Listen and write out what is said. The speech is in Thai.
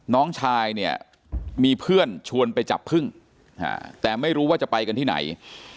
น้องชายเนี่ยมีเพื่อนชวนไปจับพึ่งแต่ไม่รู้ว่าจะไปกันที่ไหน